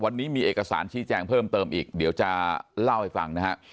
วันนี้มีเอกสารชี้แจงเพิ่มเติมอีกเดี๋ยวจะเล่าให้ฟังนะฮะ